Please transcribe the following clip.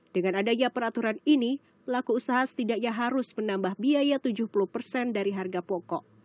dengan adanya peraturan ini pelaku usaha setidaknya harus menambah biaya tujuh puluh persen dari harga pokok